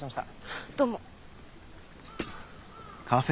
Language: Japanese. あどうも。